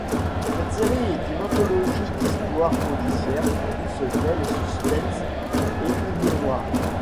Cette série est une anthologie d'histoires policières où se mêlent suspense et humour noir.